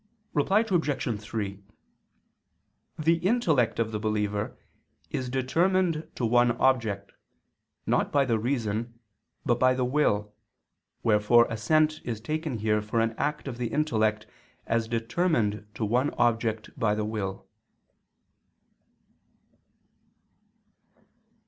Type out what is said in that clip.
Reply Obj. 3: The intellect of the believer is determined to one object, not by the reason, but by the will, wherefore assent is taken here for an act of the intellect as determined to one object by the will.